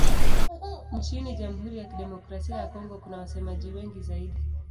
Nchini Jamhuri ya Kidemokrasia ya Kongo kuna wasemaji wengi zaidi.